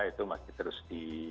itu masih terus di